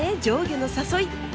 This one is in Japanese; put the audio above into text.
上下の誘い！